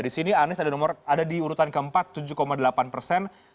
di sini anies ada di urutan keempat tujuh delapan persen